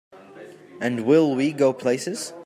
And will we go places!